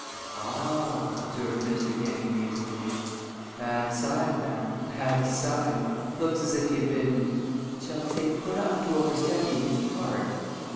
"Ah!" observed Mr. Dennie, musingly. "Bad sign, ma'am, bad sign! Looks as if he had been shall we say put up to overstudying his part.